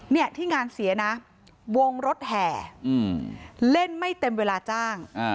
เนี่ยที่งานเสียนะวงรถแห่เล่นไม่เต็มเวลาจ้าง